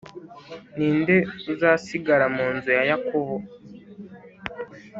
Ni nde uzasigara mu nzu ya Yakobo